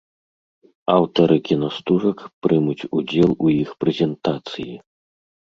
Аўтары кінастужак прымуць удзел у іх прэзентацыі.